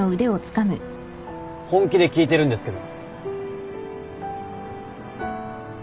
本気で聞いてるんですけど。